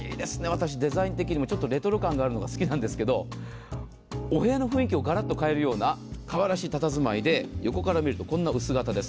私、デザイン的にもちょっとレトロ感があるのが好きなんですけど、お部屋の雰囲気をがらっと変えるようなかわいらしいたたずまいで、横から見ると、こんな薄型です。